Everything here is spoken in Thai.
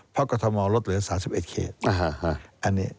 เพราะกฎธมอล์ลดเหลือ๓๑เคส